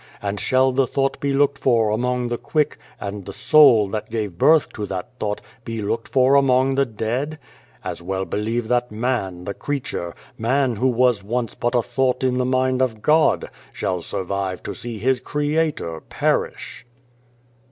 And shall the thought be looked for among the quick, and the Soul, that gave birth to that thought, be looked for among the dead ? As well believe that man, the creature man who was once but a thought in the mind of God shall survive to see his Creator perish.""